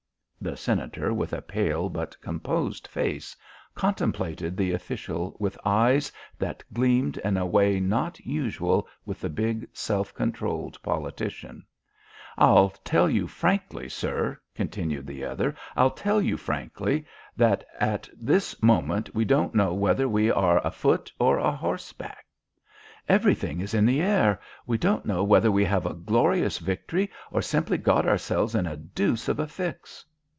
The Senator, with a pale but composed face, contemplated the official with eyes that gleamed in a way not usual with the big, self controlled politician. "I'll tell you frankly, sir," continued the other. "I'll tell you frankly, that at this moment we don't know whether we are a foot or a horseback. Everything is in the air. We don't know whether we have won a glorious victory or simply got ourselves in a deuce of a fix."